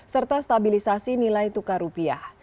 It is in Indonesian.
serta stabilisasi nilai tukar rupiah